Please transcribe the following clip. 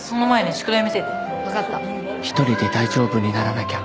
１人で大丈夫にならなきゃ